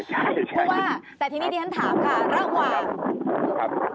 ใช่คือว่าแต่ที่นี่ท่านถามค่ะระหว่าง